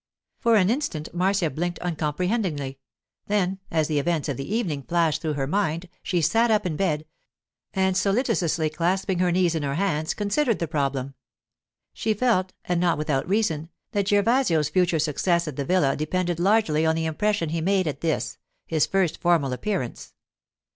For an instant Marcia blinked uncomprehendingly; then, as the events of the evening flashed through her mind, she sat up in bed, and solicitously clasping her knees in her hands, considered the problem. She felt, and not without reason, that Gervasio's future success at the villa depended largely on the impression he made at this, his first formal appearance.